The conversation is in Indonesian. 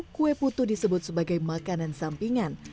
kue putu disebut sebagai makanan sampingan